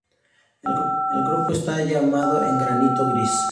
El grupo está tallado en granito gris.